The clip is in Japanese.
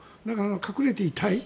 隠れていたい。